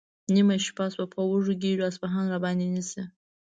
نیمه شپه شوه، په وږو ګېډو اصفهان راباندې نیسي؟